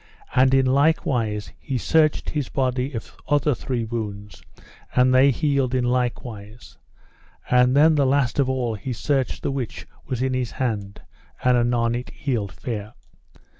And in likewise he searched his body of other three wounds, and they healed in likewise; and then the last of all he searched the which was in his hand, and anon it healed fair.